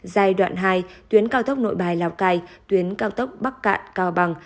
giai đoạn hai tuyến cao tốc nội bài lào cai tuyến cao tốc bắc cạn cao bằng